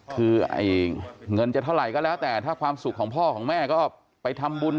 คือเงินจะเท่าไหร่ก็แล้วแต่ถ้าความสุขของพ่อของแม่ก็ไปทำบุญ